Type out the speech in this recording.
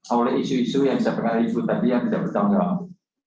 oleh isu isu yang saya pengen alih alih tadi yang bisa bertanggung jawab